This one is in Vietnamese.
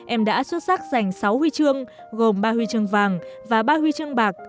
em đã xuất sắc giành sáu huy chương gồm ba huy chương vàng và ba huy chương bạc